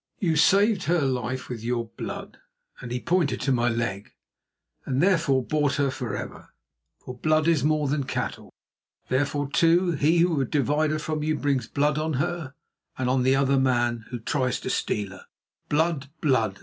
You saved her life with your blood," and he pointed to my leg, "and therefore bought her for ever, for blood is more than cattle. Therefore, too, he who would divide her from you brings blood on her and on the other man who tries to steal her, blood, blood!